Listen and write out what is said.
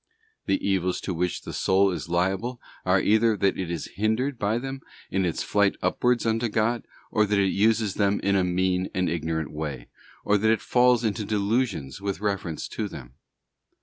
The CHAP. evils to which the soul is liable are either that it is hindered ————— by them in its flight upwards unto God, or that it uses them in a mean and ignorant way, or that it falls into delusions with reference to them.